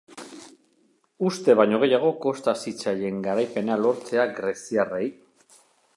Uste baino gehiago kosta zitzaien garaipena lortzea greziarrei.